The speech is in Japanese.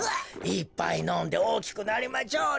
いっぱいのんでおおきくなりまちょうね。